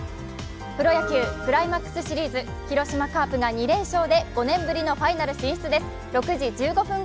プロ野球、クライマックスシリーズ広島カープが２連勝で５年ぶりのファイナル進出です。